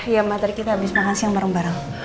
ya ma tadi kita habis makan siang bareng bareng